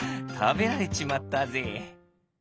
たべられちまったぜ」。